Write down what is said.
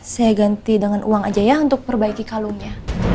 saya ganti dengan uang aja ya untuk perbaiki kalungnya